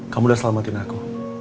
kamu udah selamatin aku